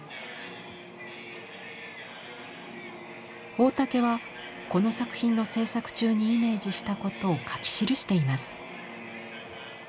大竹はこの作品の制作中にイメージしたことを書き記しています。